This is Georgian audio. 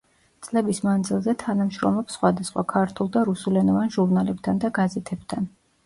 წლების მანძილზე თანამშრომლობს სხვადასხვა ქართულ და რუსულენოვან ჟურნალებთან და გაზეთებთან.